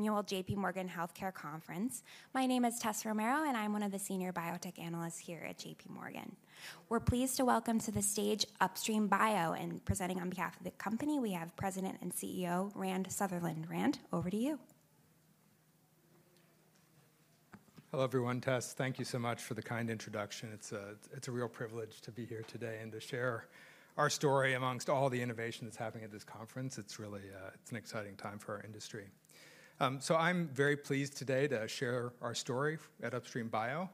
Annual JPMorgan Healthcare Conference. My name is Tess Romero, and I'm one of the senior biotech analysts here at JPMorgan. We're pleased to welcome to the stage Upstream Bio, and presenting on behalf of the company, we have President and CEO Rand Sutherland. Rand, over to you. Hello everyone, Tess. Thank you so much for the kind introduction. It's a real privilege to be here today and to share our story among all the innovation that's happening at this conference. It's really an exciting time for our industry. So I'm very pleased today to share our story at Upstream Bio.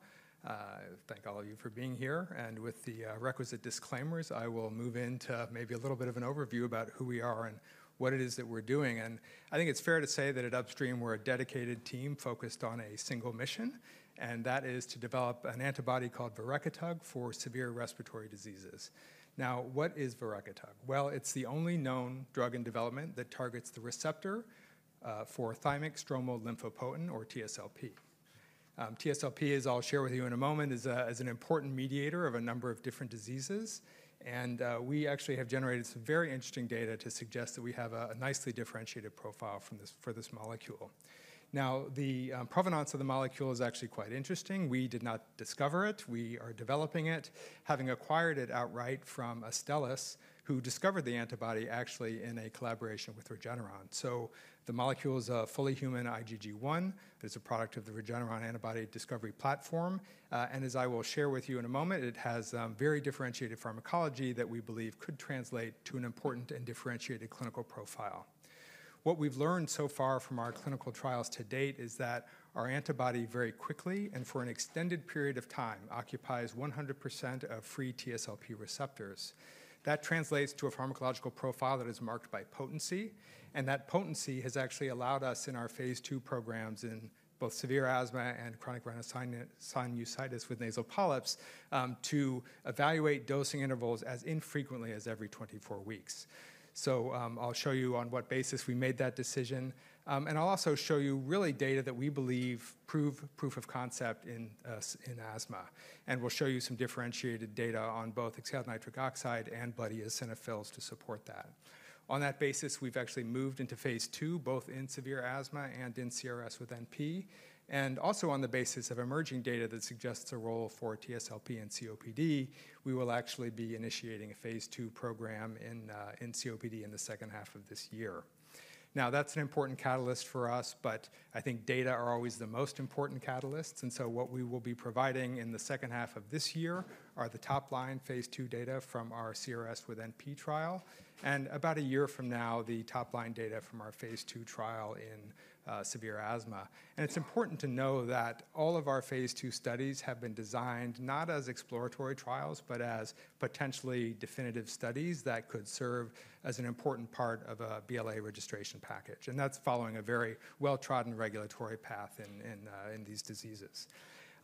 Thank all of you for being here. And with the requisite disclaimers, I will move into maybe a little bit of an overview about who we are and what it is that we're doing. And I think it's fair to say that at Upstream, we're a dedicated team focused on a single mission, and that is to develop an antibody called verecitug for severe respiratory diseases. Now, what is verecitug? Well, it's the only known drug in development that targets the receptor for thymic stromal lymphopoietin, or TSLP. TSLP, as I'll share with you in a moment, is an important mediator of a number of different diseases, and we actually have generated some very interesting data to suggest that we have a nicely differentiated profile for this molecule. Now, the provenance of the molecule is actually quite interesting. We did not discover it. We are developing it, having acquired it outright from Astellas, who discovered the antibody actually in a collaboration with Regeneron. So the molecule is a fully human IgG1. It's a product of the Regeneron antibody discovery platform, and as I will share with you in a moment, it has very differentiated pharmacology that we believe could translate to an important and differentiated clinical profile. What we've learned so far from our clinical trials to date is that our antibody very quickly and for an extended period of time occupies 100% of free TSLP receptors. That translates to a pharmacological profile that is marked by potency. And that potency has actually allowed us in our phase 2 programs in both severe asthma and chronic rhinosinusitis with nasal polyps to evaluate dosing intervals as infrequently as every 24 weeks. So I'll show you on what basis we made that decision. And I'll also show you real data that we believe provide proof of concept in asthma. And we'll show you some differentiated data on both fractional exhaled nitric oxide and blood eosinophils to support that. On that basis, we've actually moved into phase 2, both in severe asthma and in CRS with NP. And also on the basis of emerging data that suggests a role for TSLP and COPD, we will actually be initiating a phase 2 program in COPD in the second half of this year. Now, that's an important catalyst for us, but I think data are always the most important catalysts. And so what we will be providing in the second half of this year are the top line phase 2 data from our CRS with NP trial. And about a year from now, the top line data from our phase 2 trial in severe asthma. And it's important to know that all of our phase 2 studies have been designed not as exploratory trials, but as potentially definitive studies that could serve as an important part of a BLA registration package. And that's following a very well-trodden regulatory path in these diseases.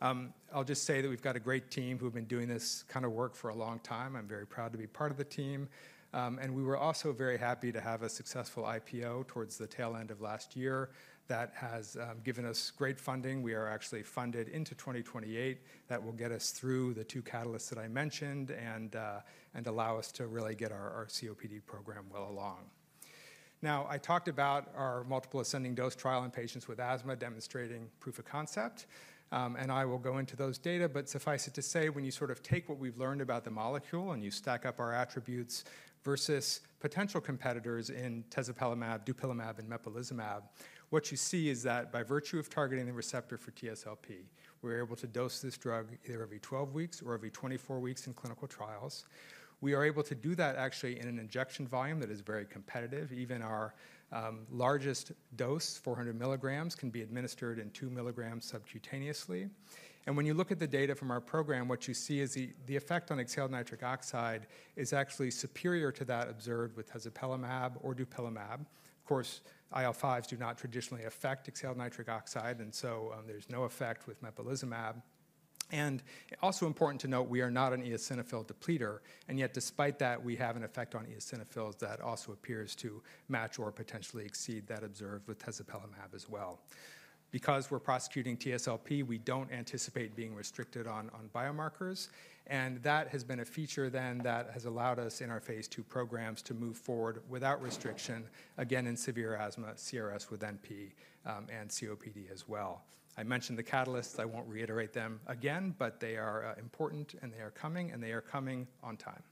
I'll just say that we've got a great team who have been doing this kind of work for a long time. I'm very proud to be part of the team. And we were also very happy to have a successful IPO towards the tail end of last year that has given us great funding. We are actually funded into 2028. That will get us through the two catalysts that I mentioned and allow us to really get our COPD program well along. Now, I talked about our multiple ascending dose trial in patients with asthma demonstrating proof of concept. And I will go into those data, but suffice it to say, when you sort of take what we've learned about the molecule and you stack up our attributes versus potential competitors in tezepelumab, Dupilumab, and Mepolizumab, what you see is that by virtue of targeting the receptor for TSLP, we're able to dose this drug either every 12 weeks or every 24 weeks in clinical trials. We are able to do that actually in an injection volume that is very competitive. Even our largest dose, 400 milligrams, can be administered in two milliliters subcutaneously. And when you look at the data from our program, what you see is the effect on FeNO is actually superior to that observed with tezepelumab or dupilumab. Of course, IL-5s do not traditionally affect FeNO, and so there's no effect with mepolizumab. And also important to note, we are not an eosinophil depleter. And yet, despite that, we have an effect on eosinophils that also appears to match or potentially exceed that observed with tezepelumab as well. Because we're targeting TSLP, we don't anticipate being restricted on biomarkers. That has been a feature then that has allowed us in our phase two programs to move forward without restriction, again, in severe asthma, CRS with NP and COPD as well. I mentioned the catalysts. I won't reiterate them again, but they are important and they are coming, and they are coming on time.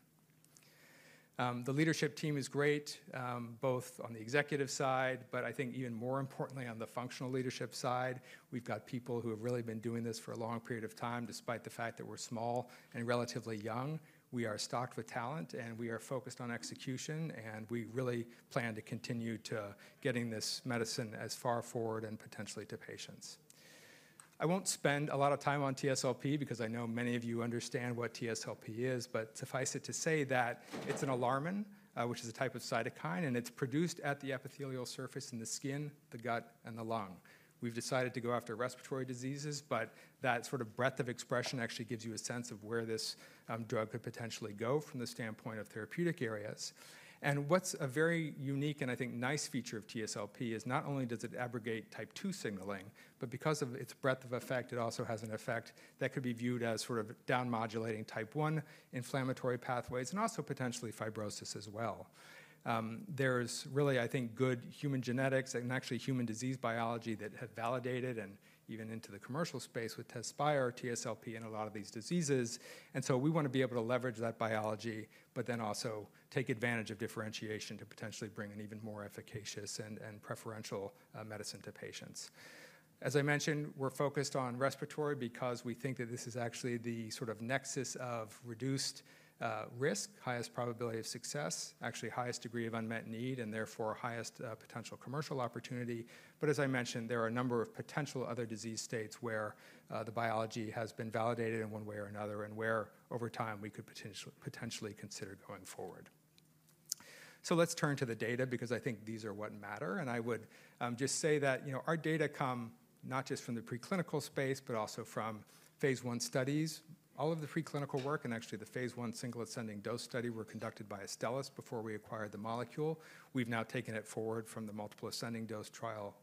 The leadership team is great, both on the executive side, but I think even more importantly on the functional leadership side. We've got people who have really been doing this for a long period of time, despite the fact that we're small and relatively young. We are stocked with talent and we are focused on execution. We really plan to continue to getting this medicine as far forward and potentially to patients. I won't spend a lot of time on TSLP because I know many of you understand what TSLP is, but suffice it to say that it's an alarmin, which is a type of cytokine, and it's produced at the epithelial surface in the skin, the gut, and the lung. We've decided to go after respiratory diseases, but that sort of breadth of expression actually gives you a sense of where this drug could potentially go from the standpoint of therapeutic areas, and what's a very unique and I think nice feature of TSLP is not only does it aggregate type two signaling, but because of its breadth of effect, it also has an effect that could be viewed as sort of down-modulating type one inflammatory pathways and also potentially fibrosis as well. There's really, I think, good human genetics and actually human disease biology that have validated, and even into the commercial space with Tezspire, TSLP, and a lot of these diseases, and so we want to be able to leverage that biology, but then also take advantage of differentiation to potentially bring an even more efficacious and preferential medicine to patients. As I mentioned, we're focused on respiratory because we think that this is actually the sort of nexus of reduced risk, highest probability of success, actually highest degree of unmet need, and therefore highest potential commercial opportunity, but as I mentioned, there are a number of potential other disease states where the biology has been validated in one way or another and where over time we could potentially consider going forward, so let's turn to the data because I think these are what matter. I would just say that our data come not just from the preclinical space, but also from phase 1 studies. All of the preclinical work and actually the phase 1 single ascending dose study were conducted by Astellas before we acquired the molecule. We've now taken it forward from the multiple ascending dose trial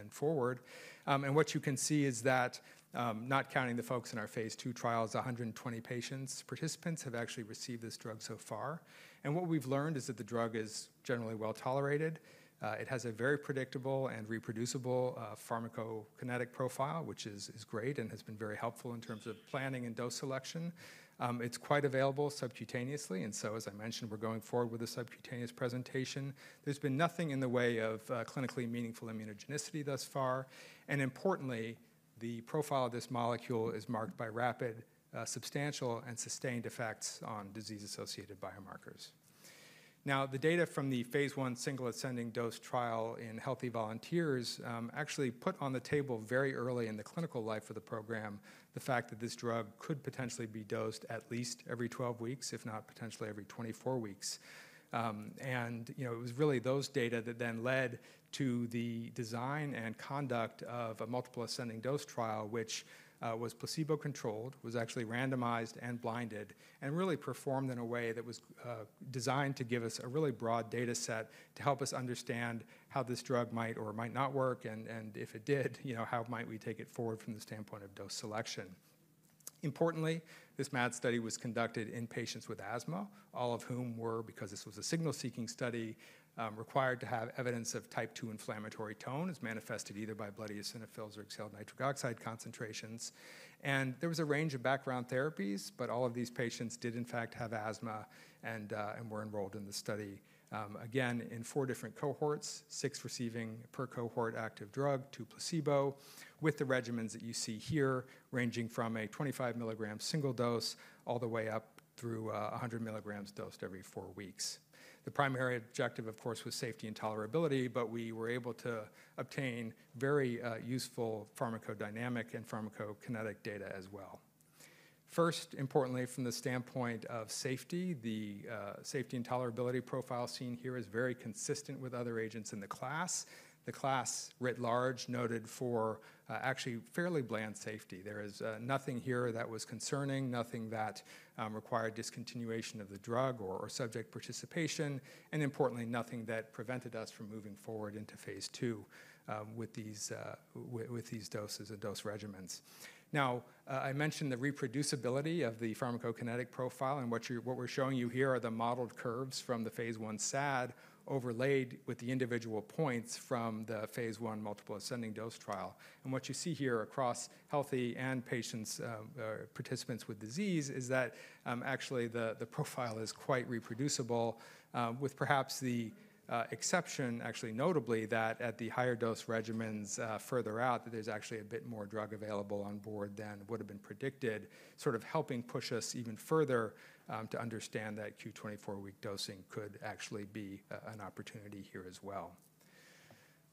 and forward. What you can see is that, not counting the folks in our phase 2 trials, 120 patient participants have actually received this drug so far. What we've learned is that the drug is generally well tolerated. It has a very predictable and reproducible pharmacokinetic profile, which is great and has been very helpful in terms of planning and dose selection. It's quite available subcutaneously. As I mentioned, we're going forward with a subcutaneous presentation. There's been nothing in the way of clinically meaningful immunogenicity thus far. Importantly, the profile of this molecule is marked by rapid, substantial, and sustained effects on disease-associated biomarkers. Now, the data from the phase 1 single ascending dose trial in healthy volunteers actually put on the table very early in the clinical life of the program, the fact that this drug could potentially be dosed at least every 12 weeks, if not potentially every 24 weeks. It was really those data that then led to the design and conduct of a multiple ascending dose trial, which was placebo-controlled, was actually randomized and blinded, and really performed in a way that was designed to give us a really broad data set to help us understand how this drug might or might not work. If it did, how might we take it forward from the standpoint of dose selection? Importantly, this MAD study was conducted in patients with asthma, all of whom were, because this was a signal-seeking study, required to have evidence of Type 2 inflammatory tone as manifested either by blood eosinophils or FeNO concentrations and there was a range of background therapies, but all of these patients did in fact have asthma and were enrolled in the study. Again, in four different cohorts, six receiving per cohort active drug, two placebo, with the regimens that you see here, ranging from a 25 milligram single dose all the way up through 100 milligrams dosed every four weeks. The primary objective, of course, was safety and tolerability, but we were able to obtain very useful pharmacodynamic and pharmacokinetic data as well. First, importantly, from the standpoint of safety, the safety and tolerability profile seen here is very consistent with other agents in the class. The class writ large noted for actually fairly bland safety. There is nothing here that was concerning, nothing that required discontinuation of the drug or subject participation, and importantly, nothing that prevented us from moving forward into phase two with these doses and dose regimens. Now, I mentioned the reproducibility of the pharmacokinetic profile and what we're showing you here are the modeled curves from the phase one SAD overlaid with the individual points from the phase one multiple ascending dose trial. And what you see here across healthy and patients, participants with disease, is that actually the profile is quite reproducible with perhaps the exception, actually notably that at the higher dose regimens further out, that there's actually a bit more drug available on board than would have been predicted, sort of helping push us even further to understand that Q24 week dosing could actually be an opportunity here as well.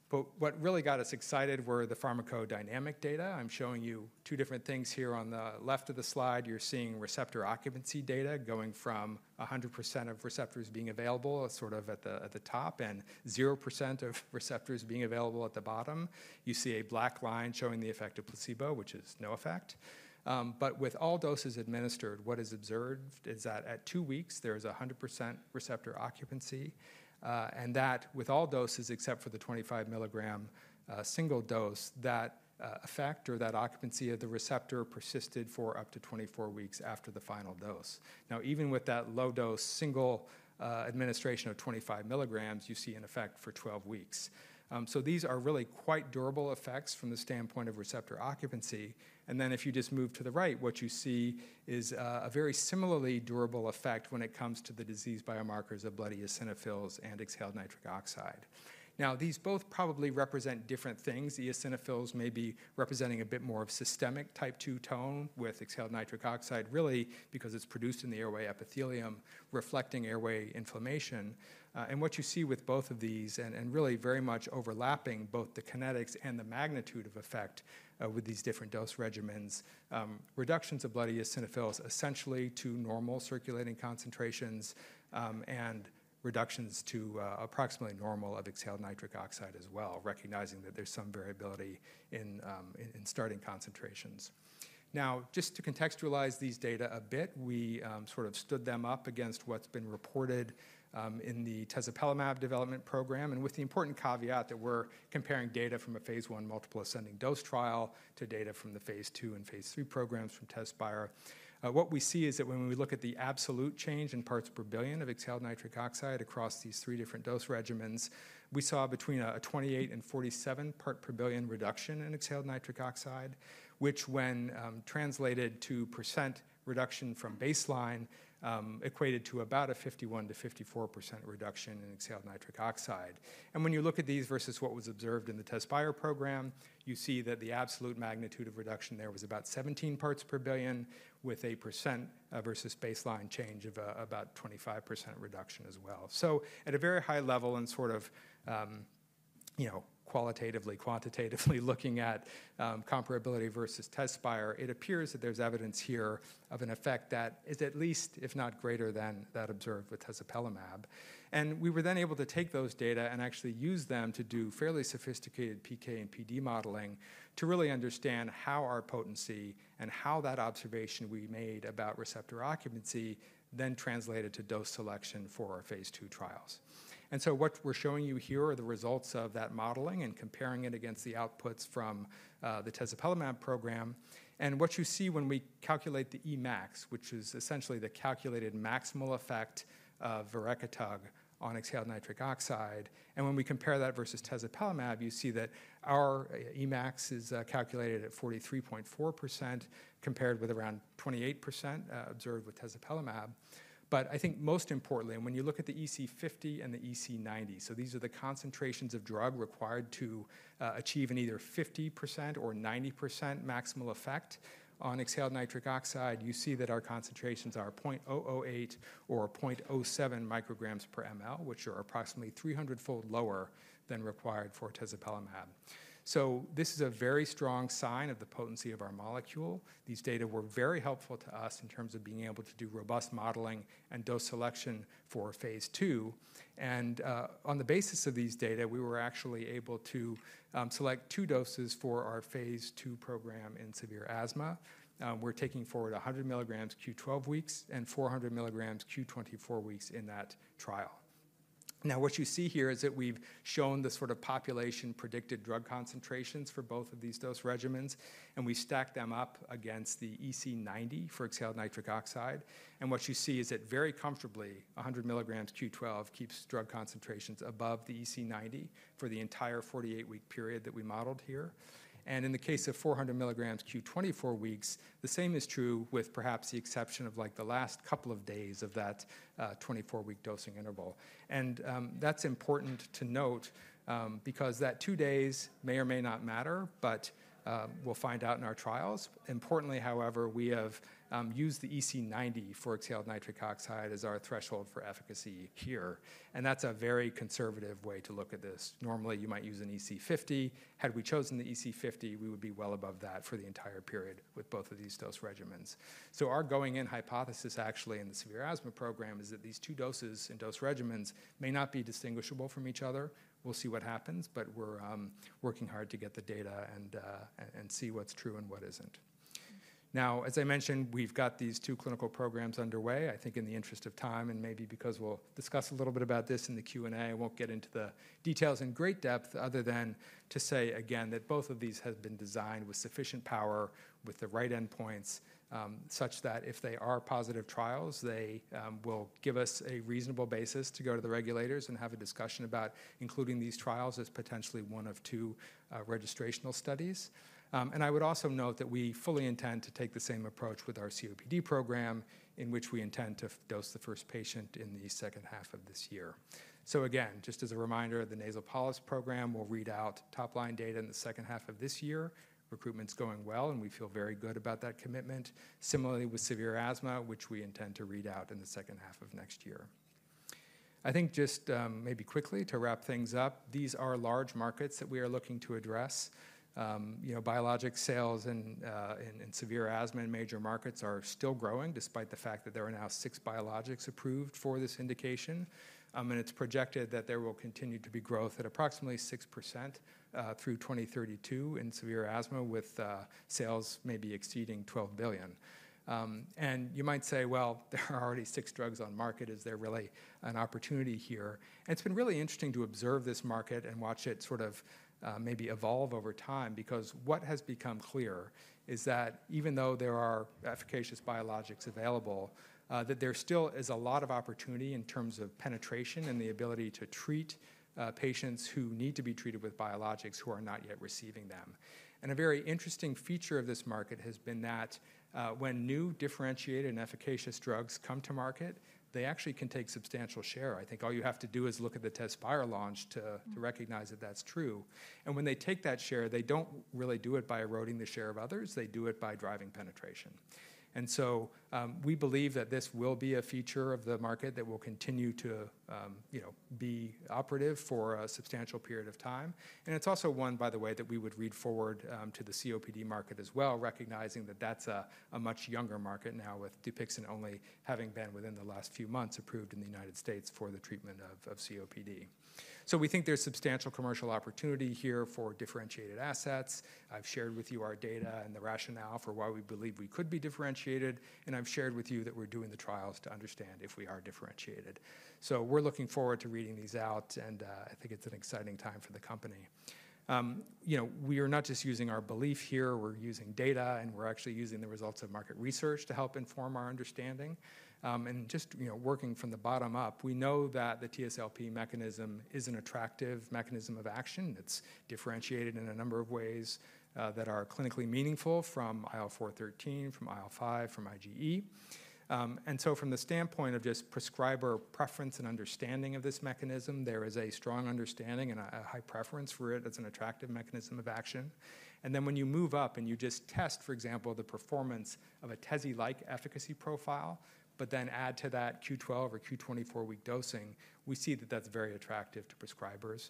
But what really got us excited were the pharmacodynamic data. I'm showing you two different things here on the left of the slide. You're seeing receptor occupancy data going from 100% of receptors being available sort of at the top and 0% of receptors being available at the bottom. You see a black line showing the effect of placebo, which is no effect. But with all doses administered, what is observed is that at two weeks, there is 100% receptor occupancy. And that with all doses except for the 25 milligram single dose, that effect or that occupancy of the receptor persisted for up to 24 weeks after the final dose. Now, even with that low dose single administration of 25 milligrams, you see an effect for 12 weeks. So these are really quite durable effects from the standpoint of receptor occupancy. And then if you just move to the right, what you see is a very similarly durable effect when it comes to the disease biomarkers of blood eosinophils and FeNO. Now, these both probably represent different things. Eosinophils may be representing a bit more of systemic type 2 tone with FeNO, really because it's produced in the airway epithelium, reflecting airway inflammation. And what you see with both of these and really very much overlapping both the kinetics and the magnitude of effect with these different dose regimens, reductions of blood eosinophils essentially to normal circulating concentrations and reductions to approximately normal of FeNO as well, recognizing that there's some variability in starting concentrations. Now, just to contextualize these data a bit, we sort of stood them up against what's been reported in the tezepelumab development program and with the important caveat that we're comparing data from a phase one multiple ascending dose trial to data from the phase two and phase three programs from Tezspire. What we see is that when we look at the absolute change in parts per billion of FeNO across these three different dose regimens, we saw between a 28 and 47 parts per billion reduction in FeNO, which when translated to percent reduction from baseline equated to about a 51 to 54% reduction in FeNO, and when you look at these versus what was observed in the Tezspire program, you see that the absolute magnitude of reduction there was about 17 parts per billion with a percent versus baseline change of about 25% reduction as well, so at a very high level and sort of qualitatively, quantitatively looking at comparability versus Tezspire, it appears that there's evidence here of an effect that is at least, if not greater than that observed with tezepelumab. And we were then able to take those data and actually use them to do fairly sophisticated PK and PD modeling to really understand how our potency and how that observation we made about receptor occupancy then translated to dose selection for our phase two trials. And so what we're showing you here are the results of that modeling and comparing it against the outputs from the tezepelumab program. And what you see when we calculate the EMAX, which is essentially the calculated maximal effect of verecitug on FeNO. And when we compare that versus tezepelumab, you see that our EMAX is calculated at 43.4% compared with around 28% observed with tezepelumab. But I think most importantly, and when you look at the EC50 and the EC90, so these are the concentrations of drug required to achieve an either 50% or 90% maximal effect on FeNO, you see that our concentrations are 0.008 or 0.07 micrograms per ml, which are approximately 300-fold lower than required for tezepelumab. So this is a very strong sign of the potency of our molecule. These data were very helpful to us in terms of being able to do robust modeling and dose selection for phase two. And on the basis of these data, we were actually able to select two doses for our phase two program in severe asthma. We're taking forward 100 milligrams q12 weeks and 400 milligrams q24 weeks in that trial. Now, what you see here is that we've shown the sort of population predicted drug concentrations for both of these dose regimens, and we stack them up against the EC90 for FeNO. And what you see is that very comfortably 100 milligrams q12 keeps drug concentrations above the EC90 for the entire 48-week period that we modeled here. And in the case of 400 milligrams q24 weeks, the same is true with perhaps the exception of like the last couple of days of that 24-week dosing interval. And that's important to note because that two days may or may not matter, but we'll find out in our trials. Importantly, however, we have used the EC90 for FeNO as our threshold for efficacy here. And that's a very conservative way to look at this. Normally, you might use an EC50. Had we chosen the EC50, we would be well above that for the entire period with both of these dose regimens. So our going-in hypothesis actually in the severe asthma program is that these two doses and dose regimens may not be distinguishable from each other. We'll see what happens, but we're working hard to get the data and see what's true and what isn't. Now, as I mentioned, we've got these two clinical programs underway. I think in the interest of time and maybe because we'll discuss a little bit about this in the Q&A, I won't get into the details in great depth other than to say again that both of these have been designed with sufficient power with the right endpoints such that if they are positive trials, they will give us a reasonable basis to go to the regulators and have a discussion about including these trials as potentially one of two registrational studies. And I would also note that we fully intend to take the same approach with our COPD program in which we intend to dose the first patient in the second half of this year. So again, just as a reminder, the nasal polyps program will read out top line data in the second half of this year. Recruitment's going well, and we feel very good about that commitment. Similarly, with severe asthma, which we intend to read out in the second half of next year. I think just maybe quickly to wrap things up, these are large markets that we are looking to address. Biologic sales in severe asthma and major markets are still growing despite the fact that there are now six biologics approved for this indication, and it's projected that there will continue to be growth at approximately 6% through 2032 in severe asthma with sales maybe exceeding $12 billion, and you might say, well, there are already six drugs on market. Is there really an opportunity here? It's been really interesting to observe this market and watch it sort of maybe evolve over time because what has become clear is that even though there are efficacious biologics available, that there still is a lot of opportunity in terms of penetration and the ability to treat patients who need to be treated with biologics who are not yet receiving them. And a very interesting feature of this market has been that when new differentiated and efficacious drugs come to market, they actually can take substantial share. I think all you have to do is look at the Tezspire launch to recognize that that's true. And when they take that share, they don't really do it by eroding the share of others. They do it by driving penetration. And so we believe that this will be a feature of the market that will continue to be operative for a substantial period of time. And it's also one, by the way, that we would look forward to the COPD market as well, recognizing that that's a much younger market now with Dupixent only having been within the last few months approved in the United States for the treatment of COPD. So we think there's substantial commercial opportunity here for differentiated assets. I've shared with you our data and the rationale for why we believe we could be differentiated. And I've shared with you that we're doing the trials to understand if we are differentiated. So we're looking forward to reading these out, and I think it's an exciting time for the company. We are not just using our belief here. We're using data, and we're actually using the results of market research to help inform our understanding, and just working from the bottom up, we know that the TSLP mechanism is an attractive mechanism of action. It's differentiated in a number of ways that are clinically meaningful from IL-4/13, from IL-5, from IgE, and so from the standpoint of just prescriber preference and understanding of this mechanism, there is a strong understanding and a high preference for it as an attractive mechanism of action, and then when you move up and you just test, for example, the performance of a Tezspire-like efficacy profile, but then add to that q12 or q24 week dosing, we see that that's very attractive to prescribers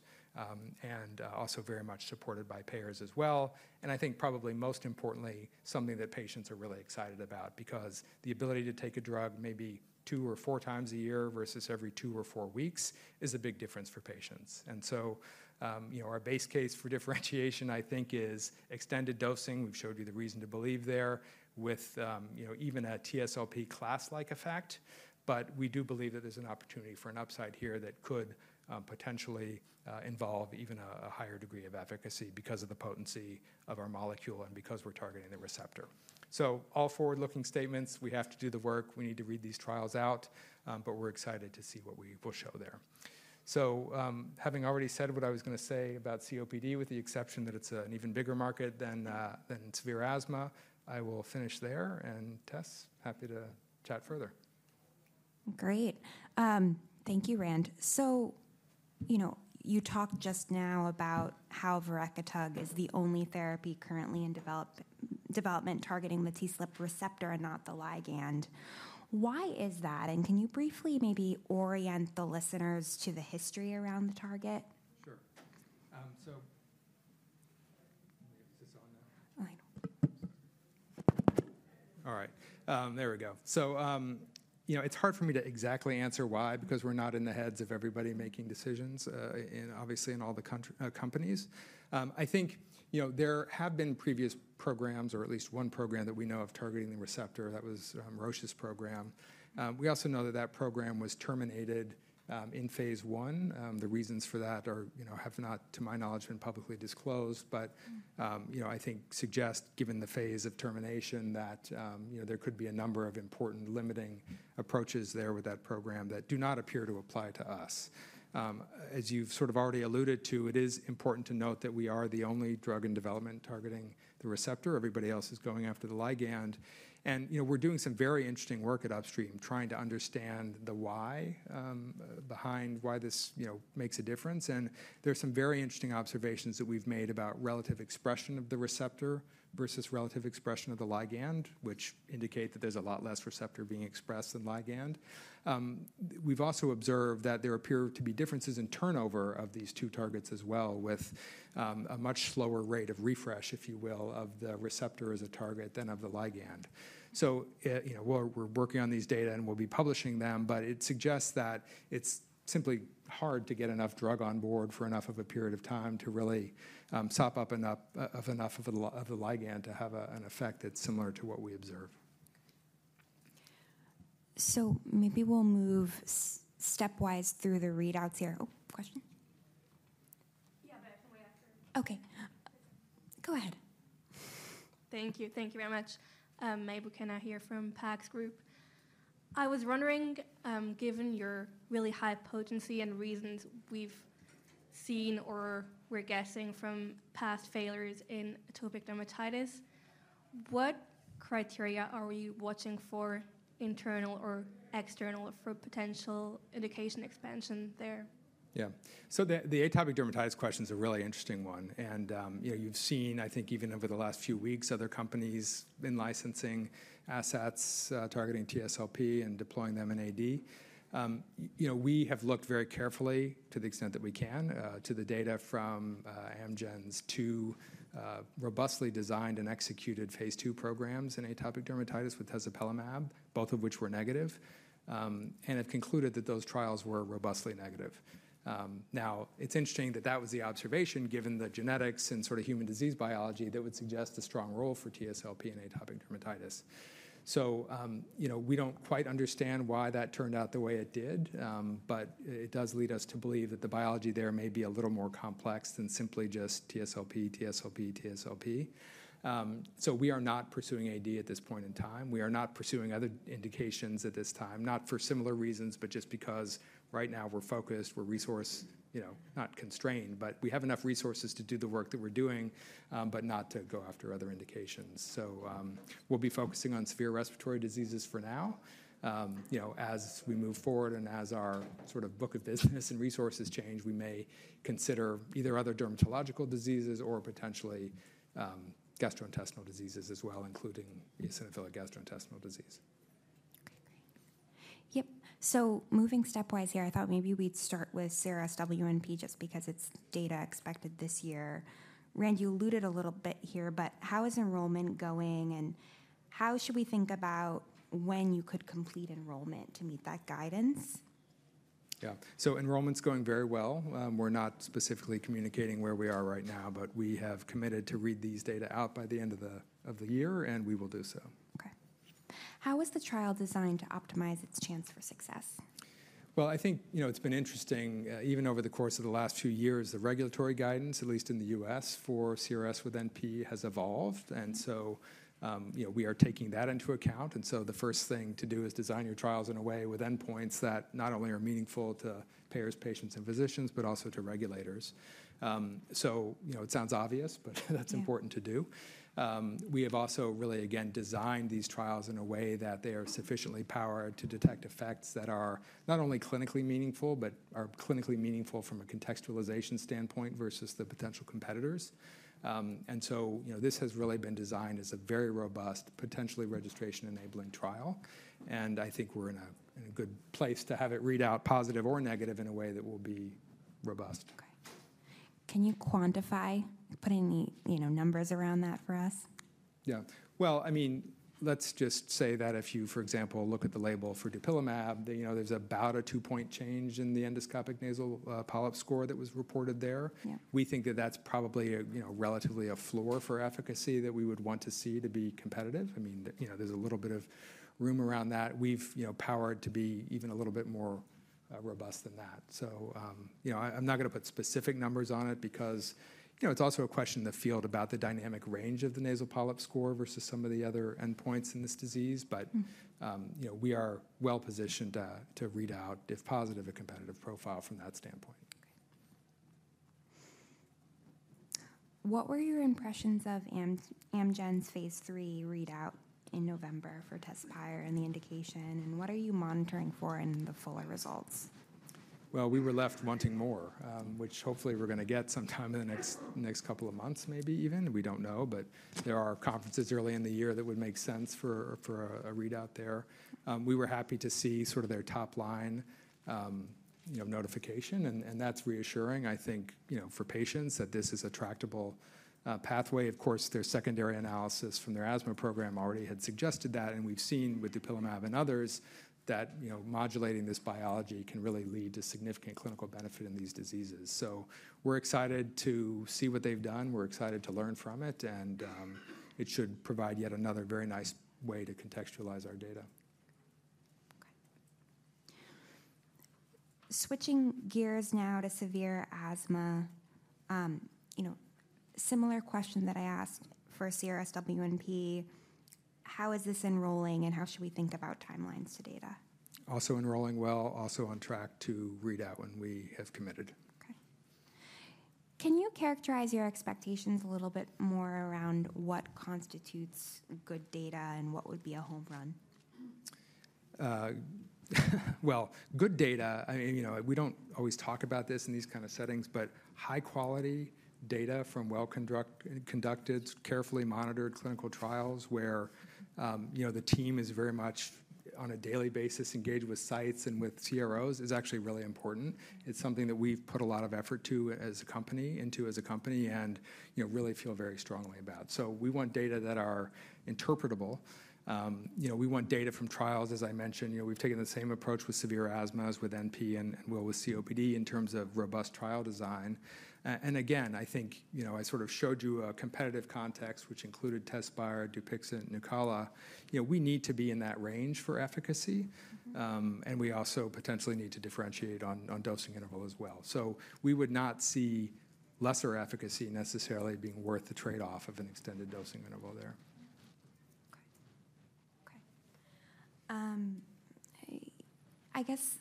and also very much supported by payers as well. And I think probably most importantly, something that patients are really excited about because the ability to take a drug maybe two or four times a year versus every two or four weeks is a big difference for patients. And so our base case for differentiation, I think, is extended dosing. We've showed you the reason to believe there with even a TSLP class-like effect. But we do believe that there's an opportunity for an upside here that could potentially involve even a higher degree of efficacy because of the potency of our molecule and because we're targeting the receptor. So all forward-looking statements. We have to do the work. We need to read these trials out, but we're excited to see what we will show there. Having already said what I was going to say about COPD, with the exception that it's an even bigger market than severe asthma, I will finish there and, Tess, happy to chat further. Great. Thank you, Rand. You talked just now about how verecitug is the only therapy currently in development targeting the TSLP receptor and not the ligand. Why is that? And can you briefly maybe orient the listeners to the history around the target? Sure. Let me get this on now. All right. There we go. It's hard for me to exactly answer why because we're not in the heads of everybody making decisions, obviously in all the companies. I think there have been previous programs, or at least one program that we know of targeting the receptor. That was Roche's program. We also know that that program was terminated in phase one. The reasons for that have not, to my knowledge, been publicly disclosed, but I think suggest, given the phase of termination, that there could be a number of important limiting approaches there with that program that do not appear to apply to us. As you've sort of already alluded to, it is important to note that we are the only drug in development targeting the receptor. Everybody else is going after the ligand, and we're doing some very interesting work at Upstream trying to understand the why behind why this makes a difference, and there's some very interesting observations that we've made about relative expression of the receptor versus relative expression of the ligand, which indicate that there's a lot less receptor being expressed than ligand. We've also observed that there appear to be differences in turnover of these two targets as well with a much slower rate of refresh, if you will, of the receptor as a target than of the ligand. So we're working on these data and we'll be publishing them, but it suggests that it's simply hard to get enough drug on board for enough of a period of time to really sop up enough of the ligand to have an effect that's similar to what we observe. So maybe we'll move stepwise through the readouts here. Oh, question? Yeah, but I have some way after. Okay. Go ahead. Thank you. Thank you very much. Uncertain. I was wondering, given your really high potency and reasons we've seen or we're guessing from past failures in atopic dermatitis, what criteria are we watching for internal or external for potential indication expansion there? Yeah. So the atopic dermatitis question is a really interesting one. And you've seen, I think, even over the last few weeks, other companies in licensing assets targeting TSLP and deploying them in AD. We have looked very carefully, to the extent that we can, to the data from Amgen's two robustly designed and executed phase two programs in atopic dermatitis with tezepelumab, both of which were negative. And it concluded that those trials were robustly negative. Now, it's interesting that that was the observation given the genetics and sort of human disease biology that would suggest a strong role for TSLP in atopic dermatitis. So we don't quite understand why that turned out the way it did, but it does lead us to believe that the biology there may be a little more complex than simply just TSLP, TSLP, TSLP. So we are not pursuing AD at this point in time. We are not pursuing other indications at this time, not for similar reasons, but just because right now we're focused, we're resourced, not constrained, but we have enough resources to do the work that we're doing, but not to go after other indications. So we'll be focusing on severe respiratory diseases for now. As we move forward and as our sort of book of business and resources change, we may consider either other dermatological diseases or potentially gastrointestinal diseases as well, including eosinophilic gastrointestinal disease. Okay. Great. Yep. So moving stepwise here, I thought maybe we'd start with CRSwNP just because it's data expected this year. Rand, you alluded a little bit here, but how is enrollment going and how should we think about when you could complete enrollment to meet that guidance? Yeah. So enrollment's going very well. We're not specifically communicating where we are right now, but we have committed to read these data out by the end of the year, and we will do so. Okay. How was the trial designed to optimize its chance for success? Well, I think it's been interesting. Even over the course of the last few years, the regulatory guidance, at least in the U.S., for CRS with NP has evolved. And so we are taking that into account. And so the first thing to do is design your trials in a way with endpoints that not only are meaningful to payers, patients, and physicians, but also to regulators. So it sounds obvious, but that's important to do. We have also really, again, designed these trials in a way that they are sufficiently powered to detect effects that are not only clinically meaningful, but are clinically meaningful from a contextualization standpoint versus the potential competitors. And so this has really been designed as a very robust, potentially registration-enabling trial. And I think we're in a good place to have it read out positive or negative in a way that will be robust. Okay. Can you quantify, put any numbers around that for us? Yeah. I mean, let's just say that if you, for example, look at the label for Dupilumab, there's about a two-point change in the endoscopic nasal polyp score that was reported there. We think that that's probably relatively a floor for efficacy that we would want to see to be competitive. I mean, there's a little bit of room around that. We've powered to be even a little bit more robust than that. So I'm not going to put specific numbers on it because it's also a question in the field about the dynamic range of the nasal polyp score versus some of the other endpoints in this disease. But we are well positioned to read out, if positive, a competitive profile from that standpoint. What were your impressions of Amgen's phase three readout in November for Tezspire and the indication? What are you monitoring for in the fuller results? Well, we were left wanting more, which hopefully we're going to get sometime in the next couple of months, maybe even. We don't know, but there are conferences early in the year that would make sense for a readout there. We were happy to see sort of their top line notification, and that's reassuring, I think, for patients that this is a tractable pathway. Of course, their secondary analysis from their asthma program already had suggested that. And we've seen with Dupilumab and others that modulating this biology can really lead to significant clinical benefit in these diseases. So we're excited to see what they've done. We're excited to learn from it. And it should provide yet another very nice way to contextualize our data. Okay. Switching gears now to severe asthma, similar question that I asked for CRSwNP, how is this enrolling and how should we think about timelines to data? Also enrolling well, also on track to readout when we have committed. Okay. Can you characterize your expectations a little bit more around what constitutes good data and what would be a home run? Well, good data, I mean, we don't always talk about this in these kinds of settings, but high-quality data from well-conducted, carefully monitored clinical trials where the team is very much on a daily basis engaged with sites and with CROs is actually really important. It's something that we've put a lot of effort to as a company and really feel very strongly about. So we want data that are interpretable. We want data from trials, as I mentioned. We've taken the same approach with severe asthma as with NP and well with COPD in terms of robust trial design. And again, I think I sort of showed you a competitive context, which included Tezspire, Dupixent, Nucala. We need to be in that range for efficacy. And we also potentially need to differentiate on dosing interval as well. So we would not see lesser efficacy necessarily being worth the trade-off of an extended dosing interval there. Okay. Okay. I guess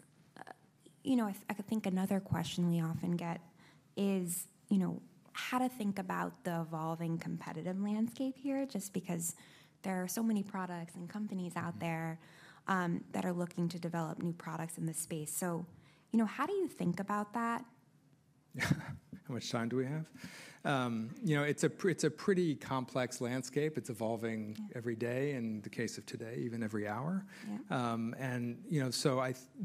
I could think another question we often get is how to think about the evolving competitive landscape here just because there are so many products and companies out there that are looking to develop new products in the space. So how do you think about that? How much time do we have? It's a pretty complex landscape. It's evolving every day in the case of today, even every hour. And so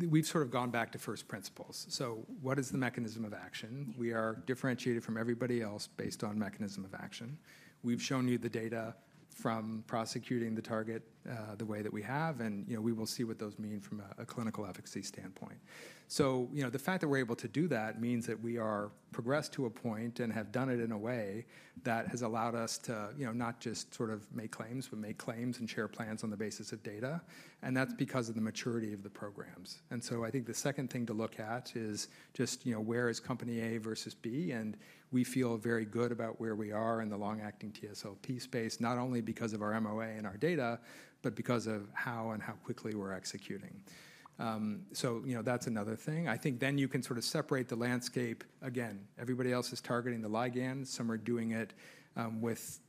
we've sort of gone back to first principles. So what is the mechanism of action? We are differentiated from everybody else based on mechanism of action. We've shown you the data from prosecuting the target the way that we have, and we will see what those mean from a clinical efficacy standpoint. So the fact that we're able to do that means that we are progressed to a point and have done it in a way that has allowed us to not just sort of make claims, but make claims and share plans on the basis of data. And that's because of the maturity of the programs. And so I think the second thing to look at is just where is company A versus B? We feel very good about where we are in the long-acting TSLP space, not only because of our MOA and our data, but because of how and how quickly we're executing. That's another thing. I think then you can sort of separate the landscape. Again, everybody else is targeting the ligand. Some are doing it with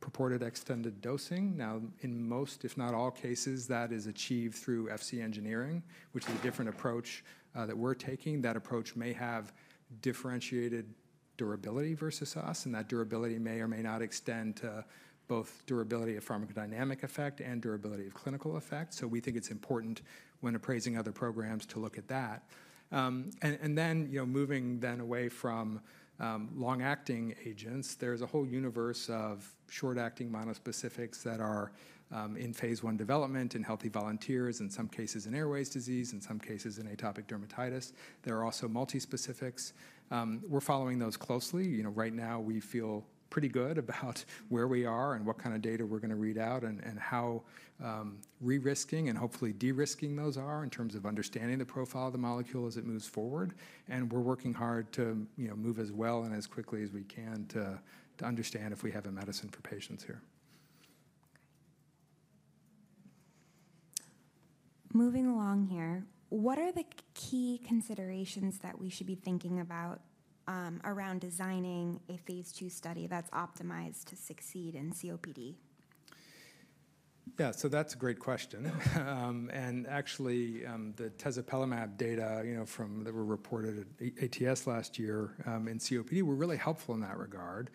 purported extended dosing. Now, in most, if not all cases, that is achieved through Fc engineering, which is a different approach that we're taking. That approach may have differentiated durability versus us, and that durability may or may not extend to both durability of pharmacodynamic effect and durability of clinical effect. We think it's important when appraising other programs to look at that. Moving away from long-acting agents, there's a whole universe of short-acting monospecifics that are in phase one development in healthy volunteers, in some cases in airways disease, in some cases in atopic dermatitis. There are also multi-specifics. We're following those closely. Right now, we feel pretty good about where we are and what kind of data we're going to read out and how re-risking and hopefully de-risking those are in terms of understanding the profile of the molecule as it moves forward. We're working hard to move as well and as quickly as we can to understand if we have a medicine for patients here. Moving along here, what are the key considerations that we should be thinking about around designing a phase two study that's optimized to succeed in COPD? Yeah, so that's a great question. Actually, the Tezepelumab data that were reported at ATS last year in COPD were really helpful in that regard.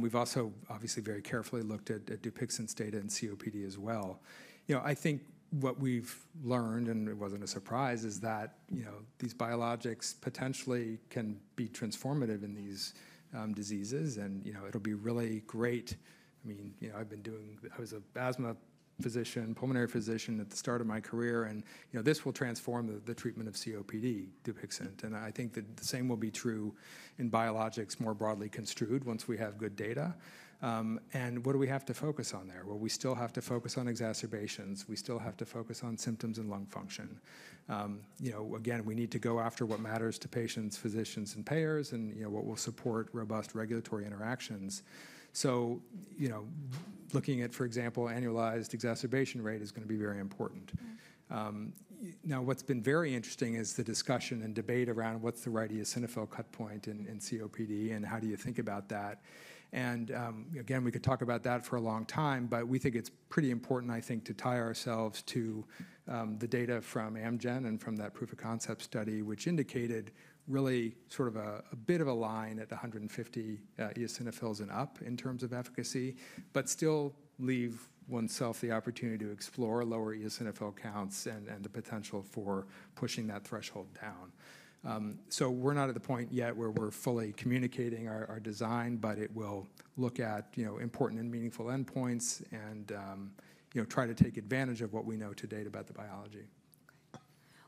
We've also obviously very carefully looked at Dupixent's data in COPD as well. I think what we've learned, and it wasn't a surprise, is that these biologics potentially can be transformative in these diseases, and it'll be really great. I mean, I was an asthma physician, pulmonary physician at the start of my career, and this will transform the treatment of COPD, Dupixent. I think that the same will be true in biologics more broadly construed once we have good data. What do we have to focus on there? We still have to focus on exacerbations. We still have to focus on symptoms and lung function. Again, we need to go after what matters to patients, physicians, and payers, and what will support robust regulatory interactions. So looking at, for example, annualized exacerbation rate is going to be very important. Now, what's been very interesting is the discussion and debate around what's the right eosinophil cut point in COPD and how do you think about that. And again, we could talk about that for a long time, but we think it's pretty important, I think, to tie ourselves to the data from Amgen and from that proof of concept study, which indicated really sort of a bit of a line at 150 eosinophils and up in terms of efficacy, but still leave oneself the opportunity to explore lower eosinophil counts and the potential for pushing that threshold down. So we're not at the point yet where we're fully communicating our design, but it will look at important and meaningful endpoints and try to take advantage of what we know to date about the biology.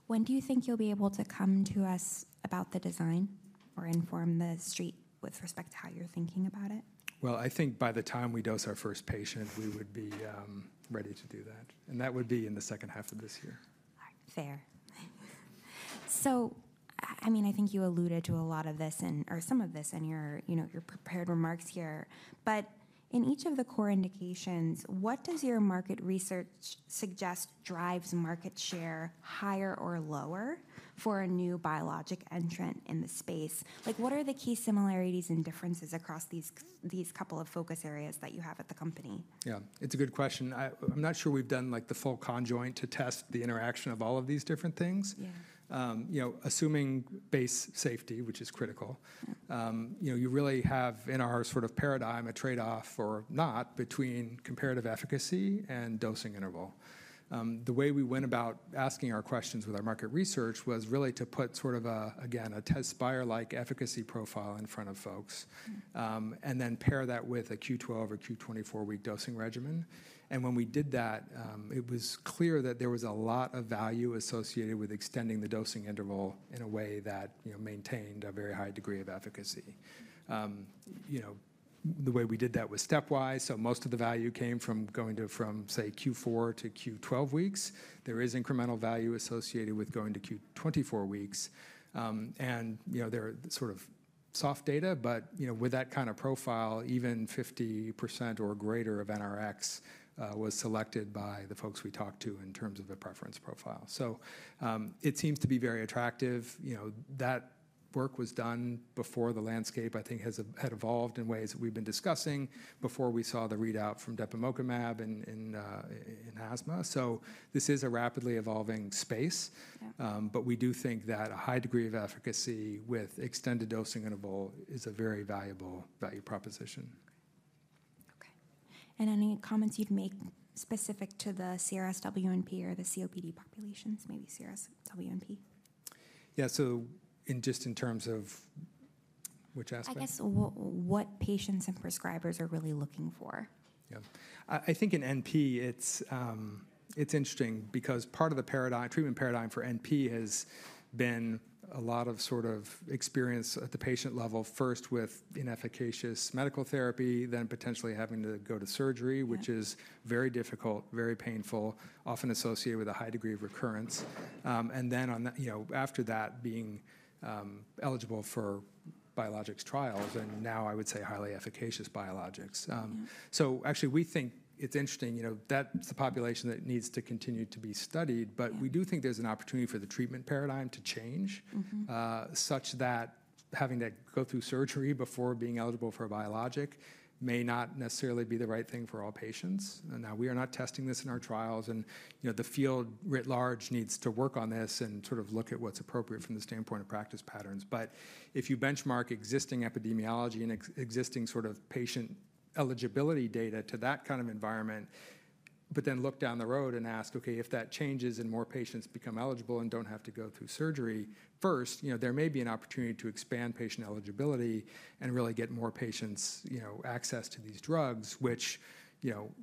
When do you think you'll be able to come to us about the design or inform the street with respect to how you're thinking about it? Well, I think by the time we dose our first patient, we would be ready to do that, and that would be in the second half of this year. Fair, so I mean, I think you alluded to a lot of this or some of this in your prepared remarks here. But in each of the core indications, what does your market research suggest drives market share higher or lower for a new biologic entrant in the space? What are the key similarities and differences across these couple of focus areas that you have at the company? Yeah, it's a good question. I'm not sure we've done the full conjoint to test the interaction of all of these different things. Assuming base safety, which is critical, you really have in our sort of paradigm a trade-off or not between comparative efficacy and dosing interval. The way we went about asking our questions with our market research was really to put sort of, again, a Tezspire-like efficacy profile in front of folks and then pair that with a Q12 or Q24 week dosing regimen, and when we did that, it was clear that there was a lot of value associated with extending the dosing interval in a way that maintained a very high degree of efficacy. The way we did that was stepwise, so most of the value came from going to, say, Q4 to Q12 weeks. There is incremental value associated with going to Q24 weeks. And they're sort of soft data, but with that kind of profile, even 50% or greater of NRx was selected by the folks we talked to in terms of a preference profile. So it seems to be very attractive. That work was done before the landscape, I think, has evolved in ways that we've been discussing before we saw the readout from Depemokimab in asthma. So this is a rapidly evolving space, but we do think that a high degree of efficacy with extended dosing interval is a very valuable value proposition. Okay. And any comments you'd make specific to the CRSwNP or the COPD populations, maybe CRSwNP? Yeah, so just in terms of which aspect? I guess what patients and prescribers are really looking for. Yeah. I think in NP, it's interesting because part of the treatment paradigm for NP has been a lot of sort of experience at the patient level, first with inefficacious medical therapy, then potentially having to go to surgery, which is very difficult, very painful, often associated with a high degree of recurrence, and then after that, being eligible for biologics trials, and now I would say highly efficacious biologics, so actually, we think it's interesting. That's the population that needs to continue to be studied, but we do think there's an opportunity for the treatment paradigm to change such that having to go through surgery before being eligible for a biologic may not necessarily be the right thing for all patients. Now, we are not testing this in our trials, and the field writ large needs to work on this and sort of look at what's appropriate from the standpoint of practice patterns. But if you benchmark existing epidemiology and existing sort of patient eligibility data to that kind of environment, but then look down the road and ask, okay, if that changes and more patients become eligible and don't have to go through surgery first, there may be an opportunity to expand patient eligibility and really get more patients access to these drugs, which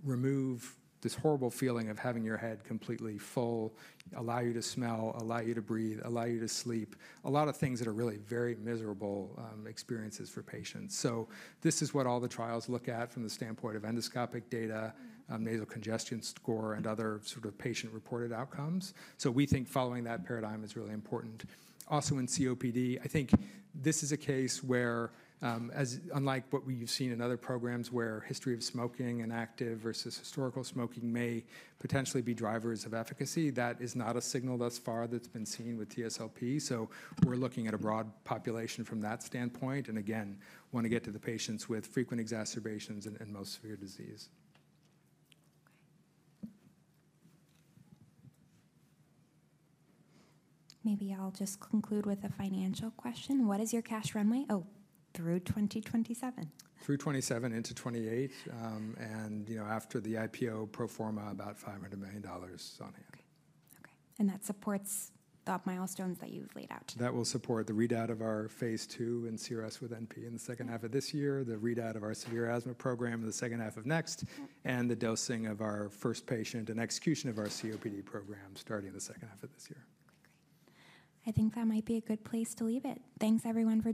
remove this horrible feeling of having your head completely full, allow you to smell, allow you to breathe, allow you to sleep, a lot of things that are really very miserable experiences for patients. So this is what all the trials look at from the standpoint of endoscopic data, nasal congestion score, and other sort of patient-reported outcomes. So we think following that paradigm is really important. Also in COPD, I think this is a case where, unlike what we've seen in other programs where history of smoking and active versus historical smoking may potentially be drivers of efficacy, that is not a signal thus far that's been seen with TSLP. So we're looking at a broad population from that standpoint and again, want to get to the patients with frequent exacerbations and most severe disease. Okay. Maybe I'll just conclude with a financial question. What is your cash runway? Oh, through 2027. Through 2027 into 2028. And after the IPO pro forma, about $500 million on hand. Okay. And that supports the milestones that you've laid out. That will support the readout of our phase two in CRS with NP in the second half of this year, the readout of our severe asthma program in the second half of next, and the dosing of our first patient and execution of our COPD program starting the second half of this year. I think that might be a good place to leave it. Thanks, everyone.